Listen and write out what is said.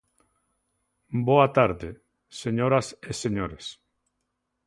Boa tarde, señoras e señores.